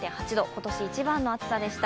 今年一番の暑さでした。